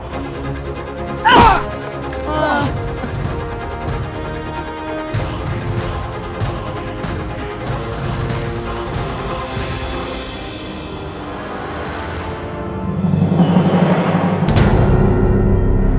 gue gak mau kemana mana